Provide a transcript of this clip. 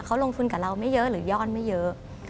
เขาลงทุนกับเราไม่เยอะหรือยอดไม่เยอะ